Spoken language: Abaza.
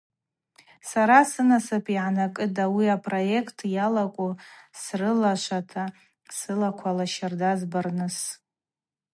Сара сынасып йгӏанакӏытӏ ауи апроект йалакву срылашвата сылаквала щарда збарныс.